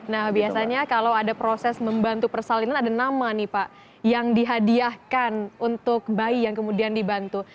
nah biasanya kalau ada proses membantu persalinan ada nama nih pak yang dihadiahkan untuk bayi yang kemudian dibantu